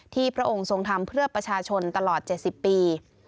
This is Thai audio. พระองค์ทรงทำเพื่อประชาชนตลอด๗๐ปี